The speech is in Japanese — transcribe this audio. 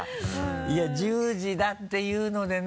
いや１０時だっていうのでね